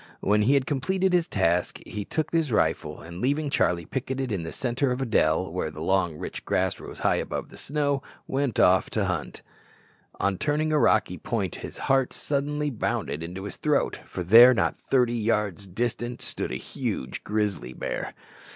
When he had completed this task, he took his rifle, and leaving Charlie picketed in the centre of a dell, where the long, rich grass rose high above the snow, went off to hunt. On turning a rocky point his heart suddenly bounded into his throat, for there, not thirty yards distant, stood a huge grizzly bear!